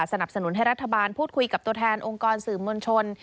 สนับสนุนให้รัฐบาลพูดคุยกับตัวแทนองค์กรสื่อมวลชน